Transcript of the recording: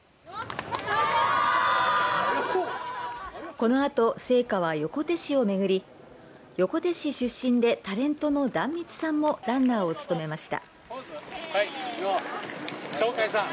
このあと聖火は横手市をめぐり横手市出身でタレントの壇蜜さんもランナーを務めました。